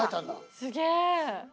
すげえ。